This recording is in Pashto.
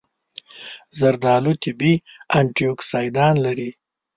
زردآلو طبیعي انټياکسیدان لري.